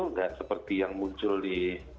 nggak seperti yang muncul di